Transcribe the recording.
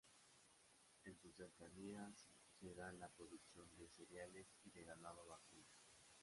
En sus cercanías se dan la producción de cereales y de ganado vacuno.